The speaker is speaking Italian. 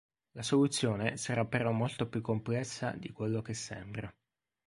La soluzione sarà però molto più complessa di quello che sembra.